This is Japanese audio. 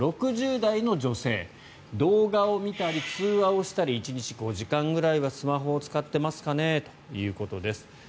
６０代の女性動画を見たり通話をしたり１日５時間ぐらいはスマホを使っていますかねということです。